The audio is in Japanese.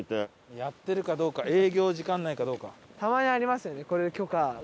やってるかどうか営業時間内かどうか。